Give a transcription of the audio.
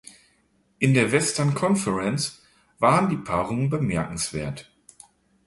In der Western Conference waren die Paarungen bemerkenswert.